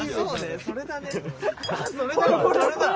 それだね。